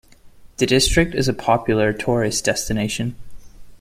The district is a popular tourist destination.